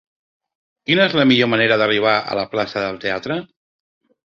Quina és la millor manera d'arribar a la plaça del Teatre?